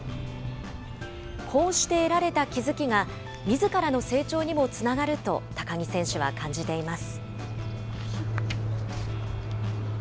こうして得られた気付きが、みずからの成長にもつながると、高木選手は感じています。